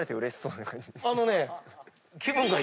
あのね。